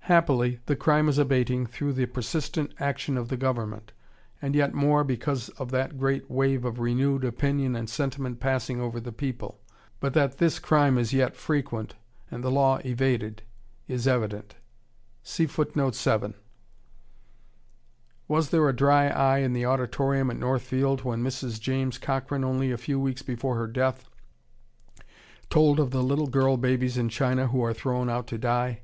Happily, the crime is abating through the persistent action of the government, and yet more because of that great wave of renewed opinion and sentiment passing over the people. But that this crime is yet frequent, and the law evaded, is evident. Was there a dry eye in the auditorium at Northfield when Mrs. James Cochran, only a few weeks before her death, told of the little girl babies in China who are thrown out to die?